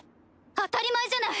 当たり前じゃない！